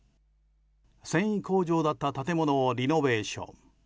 繊維工場だった建物をリノベーション。